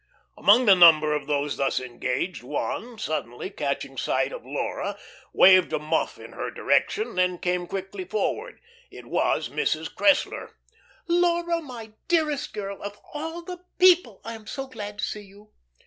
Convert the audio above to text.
Among the number of those thus engaged, one, suddenly catching sight of Laura, waved a muff in her direction, then came quickly forward. It was Mrs. Cressler. "Laura, my dearest girl! Of all the people. I am so glad to see you!"